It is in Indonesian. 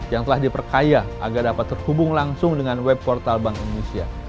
yang telah diperkaya agar dapat terhubung langsung dengan web portal bank indonesia